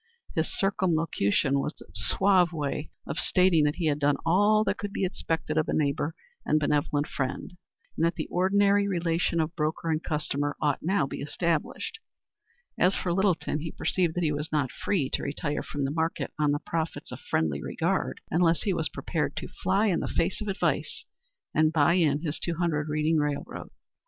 His circumlocution was a suave way of stating that he had done all that could be expected of a neighbor and benevolent friend, and that the ordinary relation of broker and customer ought now be established. As for Littleton, he perceived that he was not free to retire from the market on the profits of friendly regard unless he was prepared to fly in the face of advice and buy in his two hundred Reading railroad.